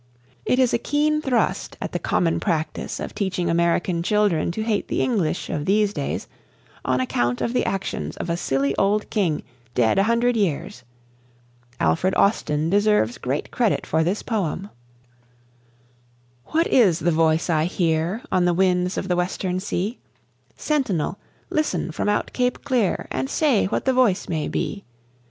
It is a keen thrust at the common practice of teaching American children to hate the English of these days on account of the actions of a silly old king dead a hundred years. Alfred Austin deserves great credit for this poem. What is the voice I hear On the winds of the western sea? Sentinel, listen from out Cape Clear And say what the voice may be.